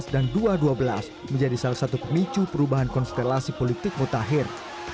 dan dua dua belas menjadi salah satu pemicu perubahan konstelasi politik mutakhir